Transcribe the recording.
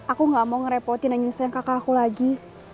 aku gak mau ngerepotin dan nyusahin kakak aku lagi